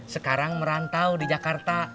sekarang merantau di jakarta